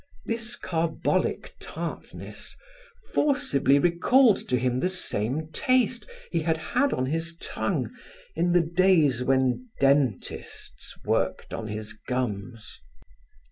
This carbolic tartness forcibly recalled to him the same taste he had had on his tongue in the days when dentists worked on his gums.